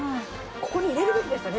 ここに入れるべきでしたね